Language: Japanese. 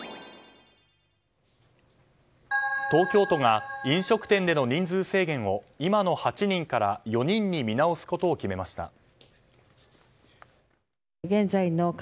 東京都が飲食店での人数制限を今の８人から４人に見直すことを決めました。